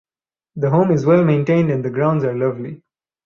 The home is well maintained and the grounds are lovely.